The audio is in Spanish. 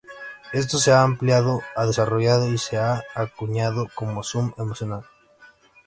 Esto se ha ampliado y desarrollado y se ha acuñado como "Zoom emocional".